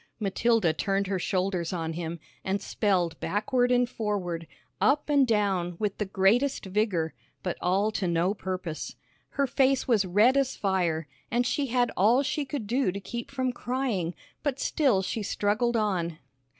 Matilda turned her shoulders on him, and spelled backward and forward, up and down, with the greatest vigor, but all to no purpose. Her face was red as fire, and she had all she could do to keep from crying, but still she struggled on.